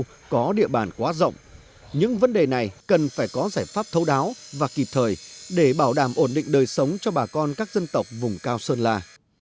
thôn bản quá rộng những vấn đề này cần phải có giải pháp thấu đáo và kịp thời để bảo đảm ổn định đời sống cho bà con các dân tộc vùng cao sơn la